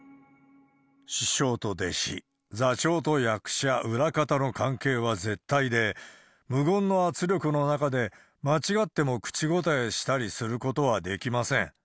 師匠と弟子、座長と役者、裏方の関係は絶対で、無言の圧力の中で、間違っても口答えしたりすることはできません。